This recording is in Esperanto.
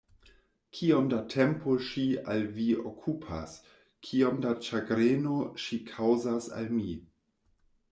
Kiom da tempo ŝi al vi okupas, kiom da ĉagreno ŝi kaŭzas al mi!